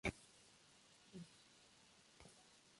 El hospital nace por la iniciativa del Dr.